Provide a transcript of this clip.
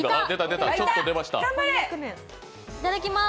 いただきます！